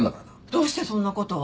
どうしてそんなことを？